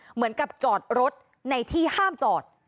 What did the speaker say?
เหมือนกับจอดรถในที่ห้ามจอด